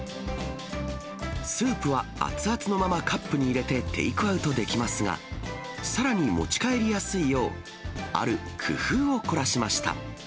スープは熱々のままカップに入れて、テイクアウトできますが、さらに持ち帰りやすいよう、ある工夫を凝らしました。